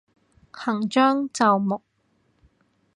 行將就木